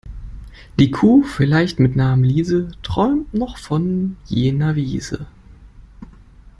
Die Kuh, vielleicht mit Namen Liese, träumte noch von jener Wiese.